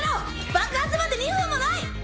爆発まで２分もない！